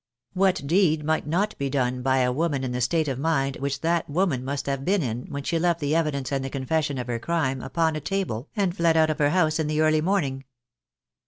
What deed might not be done by a woman in the state of mind which that woman must have been in when she left the evidence and the confession of her crime upon the table and fled out of her house in the early morning?